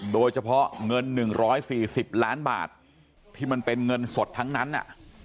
โดยเฉพาะเงิน๑๔๐ล้านบาทที่มันเป็นเงินสดทั้งนั้น